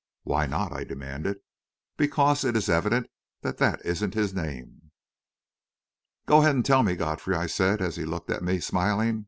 "Why not?" I demanded. "Because it is evident that that isn't his name." "Go ahead and tell me, Godfrey," I said, as he looked at me, smiling.